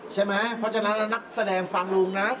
เพราะฉะนั้นนักแสดงฟังลุงนะ